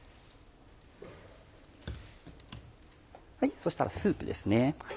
そしたらスープですね。